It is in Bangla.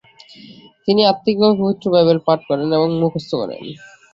তিনি আত্মিকভাবে পবিত্র বাইবেল পাঠ করেন এবং মুখস্থ করেন।